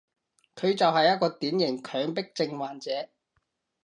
佢就係一個典型強迫症患者